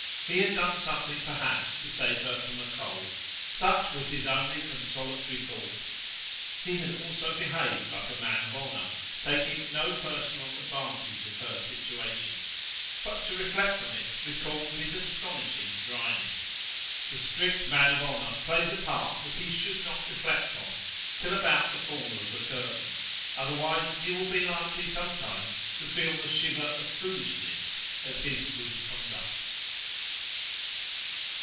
He had done something perhaps to save her from a cold: such was his only consolatory thought. He had also behaved like a man of honour, taking no personal advantage of her situation; but to reflect on it recalled his astonishing dryness. The strict man of honour plays a part that he should not reflect on till about the fall of the curtain, otherwise he will be likely sometimes to feel the shiver of foolishness at his good conduct.